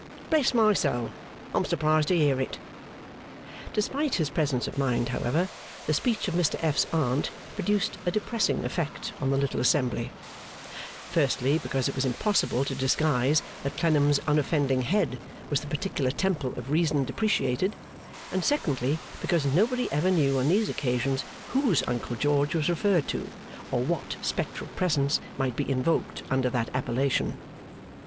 Bless my soul! I'm surprised to hear it.' Despite his presence of mind, however, the speech of Mr F.'s Aunt produced a depressing effect on the little assembly; firstly, because it was impossible to disguise that Clennam's unoffending head was the particular temple of reason depreciated; and secondly, because nobody ever knew on these occasions whose Uncle George was referred to, or what spectral presence might be invoked under that appellation.